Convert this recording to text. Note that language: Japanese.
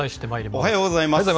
おはようございます。